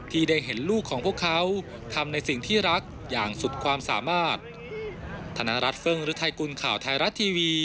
ที่ได้เห็นลูกของพวกเขาทำในสิ่งที่รักอย่างสุดความสามารถ